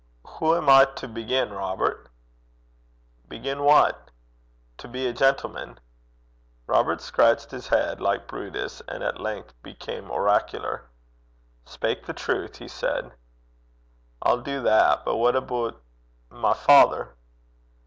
'Hoo am I to begin, Robert?' 'Begin what?' 'To be a gentleman.' Robert scratched his head, like Brutus, and at length became oracular. 'Speyk the truth,' he said. 'I'll do that. But what aboot my father?'